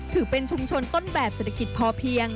ถือเป็นชุมชนต้นแบบเศรษฐกิจพอเพียง